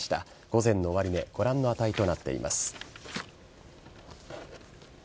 午前の終値ご覧の値となっています。